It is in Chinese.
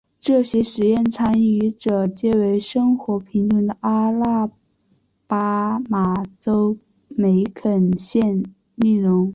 这些实验参与者皆为生活贫困的阿拉巴马州梅肯县佃农。